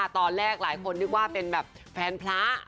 ตอนแรกหลายคนนึกว่าเป็นแบบแฟนพระ